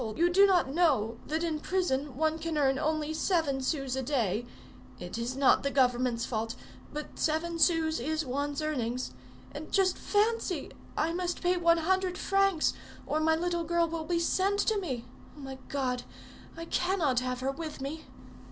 Hold! you do not know that in prison one can earn only seven sous a day; it is not the government's fault, but seven sous is one's earnings; and just fancy, I must pay one hundred francs, or my little girl will be sent to me. Oh, my God! I cannot have her with me.